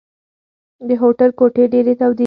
د هوټل کوټې ډېرې تودې دي.